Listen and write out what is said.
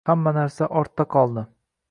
Hamma narsa ortda qoldi